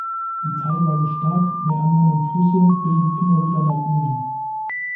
Die teilweise stark mäandernden Flüsse bilden immer wieder Lagunen.